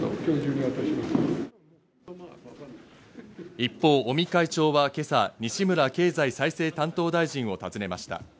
一方、尾身会長は今朝、西村経済再生担当大臣を訪ねました。